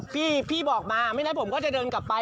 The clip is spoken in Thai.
พี่บอกมาไม่งั้นผมก็จะเดินกลับไป